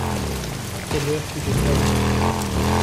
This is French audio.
A quelle heure tu décolles?